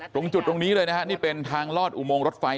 ตรงจุดตรงนี้เลยนะฮะนี่เป็นทางลอดอุโมงรถไฟ